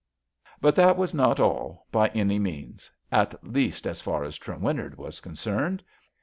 '' But that was not all — ^by any means. At least as far as Trewinnard was concerned.